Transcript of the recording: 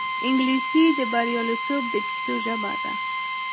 انګلیسي د بریالیتوب د کیسو ژبه ده